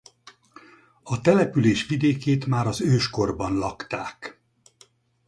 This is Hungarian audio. A település vidékét már az őskorban lakták.